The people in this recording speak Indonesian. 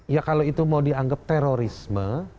ya kalau itu mau dianggap terorisme